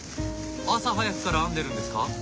朝早くから編んでるんですか？